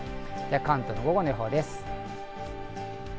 関東の午後の予報です。